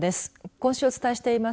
今週お伝えしています。